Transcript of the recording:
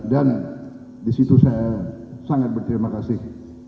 dan disitu saya sangat berterima kasih